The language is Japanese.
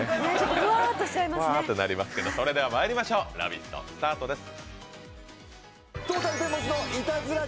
ふわぁってなりますけどそれではまいりましょう、「ラヴィット！」スタートです。